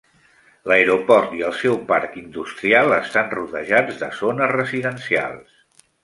L'aeroport i el seu parc industrial estan rodejats de zones residencials.